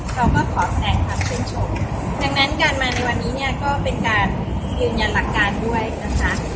ขอแสดงความชื่นชมดังนั้นการมาในวันนี้เนี่ยก็เป็นการยืนยันหลักการด้วยนะคะ